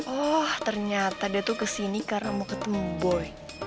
oh ternyata dia tuh kesini karena mau ketemu boy